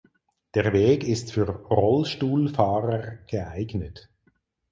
Der Weg ist für Rollstuhlfahrer geeignet.